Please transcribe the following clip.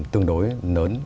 tương đối lớn